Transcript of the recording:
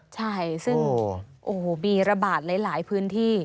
ใช่ซึ่งโอ้โหมีระบาดหลายพื้นที่